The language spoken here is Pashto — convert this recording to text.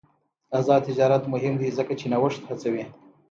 آزاد تجارت مهم دی ځکه چې نوښت هڅوي.